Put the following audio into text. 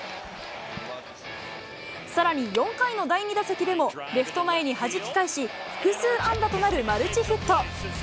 さらに４回の第２打席でも、レフト前にはじき返し、複数安打となるマルチヒット。